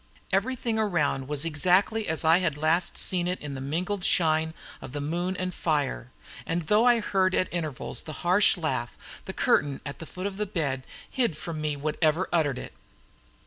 Everything around was exactly as I had last seen it in the mingled shine of the moon and fire, and though I heard at intervals the harsh laugh, the curtain at the foot of the bed hid from me whatever uttered it.